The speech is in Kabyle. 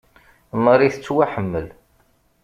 Marie tettwaḥemmel.